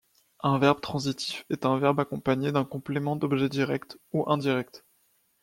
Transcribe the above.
Un verbe transitif est un verbe accompagné d'un complément d'objet direct ou indirect.